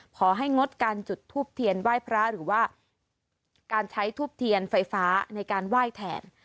ขอให้งดการจุดทูปเทียนไหว้พระหรือว่าการใช้ทูบเทียนไฟฟ้าในการไหว้แทน